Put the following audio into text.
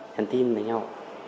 nhắn tin với nhau